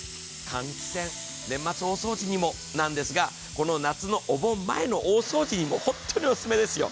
換気扇、年末大掃除にもなんですが夏のお盆前のお掃除にも本当にオススメですよ。